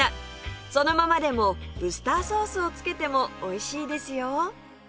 そのままでもウスターソースをつけてもおいしいですよ